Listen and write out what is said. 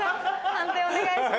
判定お願いします。